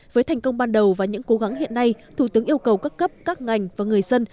với thành công ban đầu và những cố gắng hiện nay thủ tướng yêu cầu các cấp các ngành và người dân